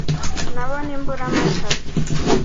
nabo ni mburamatare.